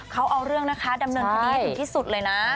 เขาเอาเรื่องนะคะดำเนินคดีให้ถึงที่สุดเลยนะ